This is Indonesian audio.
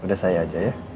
udah saya aja ya